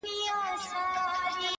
شاعري سمه ده چي ته غواړې،